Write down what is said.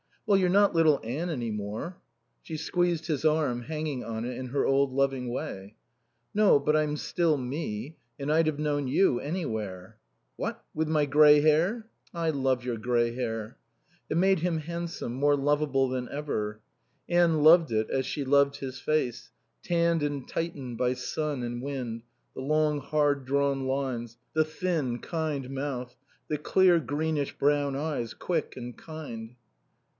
"Well, you're not little Anne any more." She squeezed his arm, hanging on it in her old loving way. "No. But I'm still me. And I'd have known you anywhere." "What? With my grey hair?" "I love your grey hair." It made him handsome, more lovable than ever. Anne loved it as she loved his face, tanned and tightened by sun and wind, the long hard drawn lines, the thin, kind mouth, the clear, greenish brown eyes, quick and kind.